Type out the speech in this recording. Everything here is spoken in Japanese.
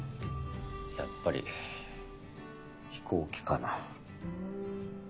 やっぱり飛行機かな。